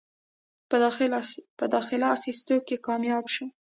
پۀ داخله اخستو کښې کامياب شو ۔